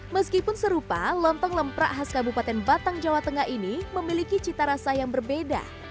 meskipun serupa lontong lemprak khas kabupaten batang jawa tengah ini memiliki cita rasa yang berbeda